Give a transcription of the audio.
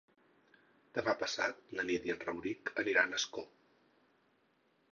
Demà passat na Nit i en Rauric aniran a Ascó.